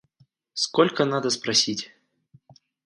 Сколько надо спросить!